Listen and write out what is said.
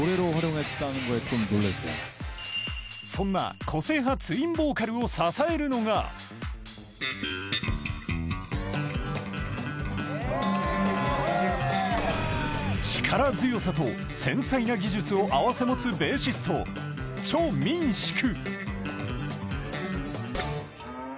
そんな個性派ツインボーカルを支えるのが力強さと繊細な技術を併せ持つベーシスト、チョ・ミンシク。